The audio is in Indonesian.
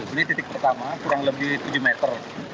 ini titik pertama kurang lebih tujuh meter